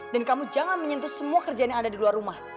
dan kamu jangan menyentuh semua kerjaan yang ada di luar rumah